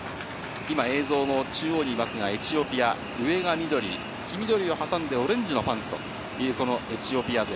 今、映像の中央にエチオピア、上が緑、黄緑を挟んでオレンジのパンツという、このエチオピア勢。